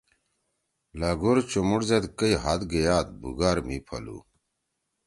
لھگُور چمُوڑ زید کئی ہات گیِاد بُوگار مھی پھلُو